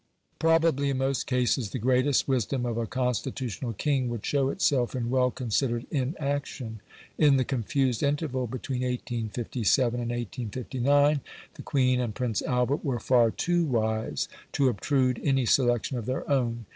Probably in most cases the greatest wisdom of a constitutional king would show itself in well considered inaction. In the confused interval between 1857 and 1859 the Queen and Prince Albert were far too wise to obtrude any selection of their own.